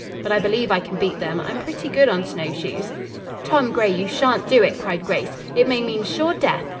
But I believe I can beat them. I'm pretty good on snowshoes." "Tom Gray, you shan't do it!" cried Grace. "It may mean sure death.